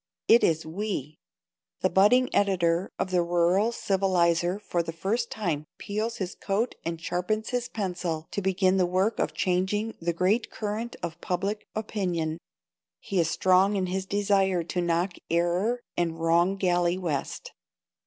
It is "we." The budding editor of the rural civilizer for the first time peels his coat and sharpens his pencil to begin the work of changing the great current of public opinion. He is strong in his desire to knock error and wrong galley west.